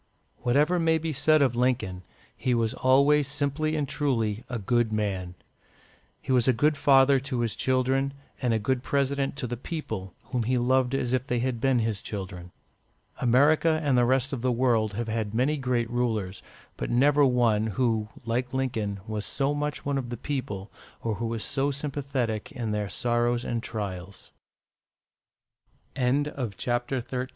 Whatever may be said of Lincoln, he was always simply and truly a good man. He was a good father to his children, and a good President to the people, whom he loved as if they had been his children. America and the rest of the world have had many great rulers, but never one who, like Lincoln, was so much one of the people, or who was so sympathetic in their sorrows and trials. APPENDIX.